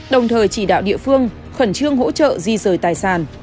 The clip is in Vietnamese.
đồng thời chỉ đạo địa phương khẩn trương hỗ trợ di rời tài sản